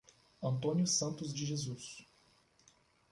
Antônio Santos de Jesus